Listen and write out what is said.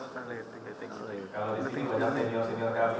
kalau di sini banyak daniel sinirgawi